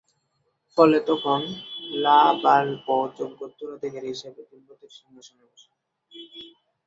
ফলে তখন ল্হা-বাল-পো যোগ্য উত্তরাধিকারী হিসেবে তিব্বতের সিংহাসনে বসেন।